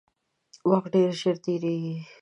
وخت ډیر ژر تیریږي